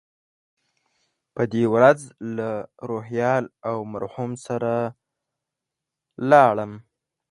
په دې ورځ له روهیال او مرهون سره لاړم.